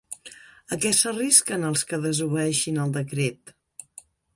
A què s'arrisquen els que desobeeixin el decret?